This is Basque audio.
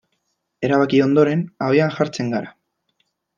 Erabaki ondoren, abian jartzen gara.